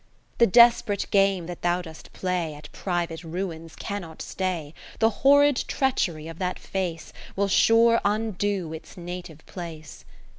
v The desp'rate game that thou dost play At private ruins cannot stay ; The horrid treachery of that face Will sure undo its native place.